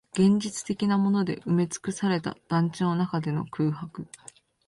現実的なもので埋めつくされた団地の中での空白